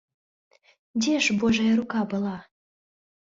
Дзе ж божая рука была?!.